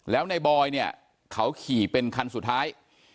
แล้วในบอยเนี่ยเขาขี่เป็นคันสุดท้าย